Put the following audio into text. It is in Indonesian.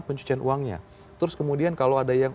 pencucian uangnya terus kemudian kalau ada yang